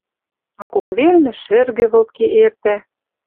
А кок велнӹ шӹргӹ вылтке эртӓ —